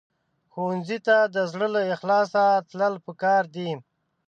ښوونځی ته د زړه له اخلاصه تلل پکار دي